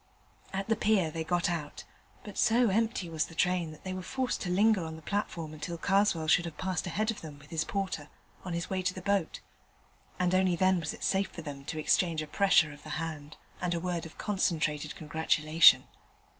At the pier they got out, but so empty was the train that they were forced to linger on the platform until Karswell should have passed ahead of them with his porter on the way to the boat, and only then was it safe for them to exchange a pressure of the hand and a word of concentrated congratulation.